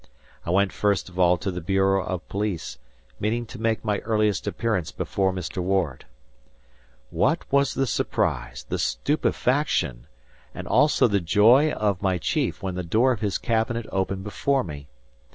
I went first of all to the bureau of police, meaning to make my earliest appearance before Mr. Ward. What was the surprise, the stupefaction, and also the joy of my chief, when the door of his cabinet opened before me!